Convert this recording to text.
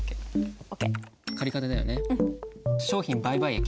商品売買益？